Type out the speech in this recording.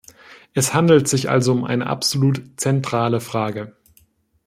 Es handelt sich also um eine absolut zentrale Frage.